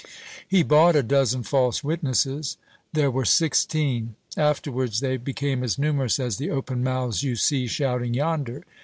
"He bought a dozen false witnesses." "There were sixteen. Afterwards they became as numerous as the open mouths you see shouting yonder.